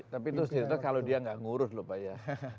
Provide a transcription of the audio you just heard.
tapi itu cerita kalau dia gak ngurus lho pak ya